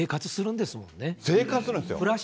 生活するんですよ。